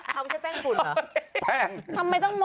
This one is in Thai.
คำว่าใช่แป้งกุญหรอ